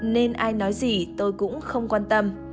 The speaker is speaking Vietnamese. nên ai nói gì tôi cũng không quan tâm